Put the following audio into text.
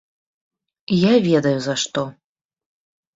Я ведаю за што.